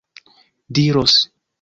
diros